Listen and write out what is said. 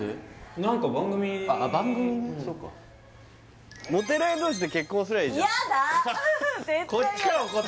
何か番組あっ番組ねそうかモテない同士で結婚すりゃいいじゃんヤダ！